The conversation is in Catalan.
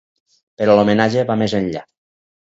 Però l'homenatge va més enllà.